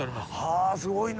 はあすごいな。